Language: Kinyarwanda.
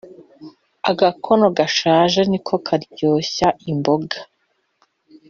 Agakono gashaje niko karyoshya imboga.